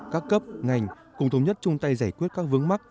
các cấp ngành cùng thống nhất chung tay giải quyết các vướng mắt